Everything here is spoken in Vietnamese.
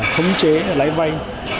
khống chế lãi vay hai mươi